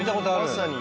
まさに。